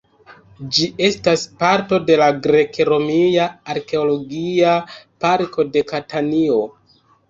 Ĝi estas parto de la Grek-Romia Arkeologia Parko de Katanio.